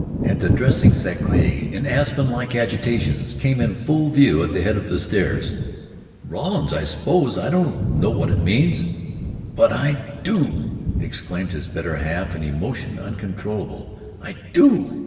and the dressing sacque in aspen like agitations came in full view at the head of the stairs. "Rawlins, I suppose. I don't know what it means." "But I do!" exclaimed his better half, in emotion uncontrollable. "I do!